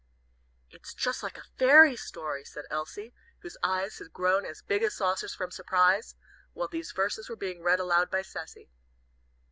'" "It's just like a fairy story," said Elsie, whose eyes had grown as big as saucers from surprise, while these verses were being read aloud by Cecy.